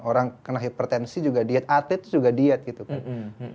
orang kena hipertensi juga diet atlet terus juga diet gitu kan